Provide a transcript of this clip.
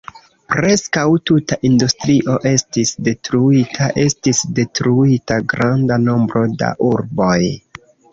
Preskaŭ tuta industrio estis detruita, estis detruita granda nombro da urboj.